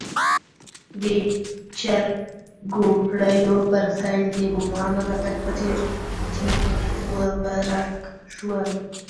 د چرګوړیو پر سېل د بومانو راتګ په څېر تیت و پرک شول.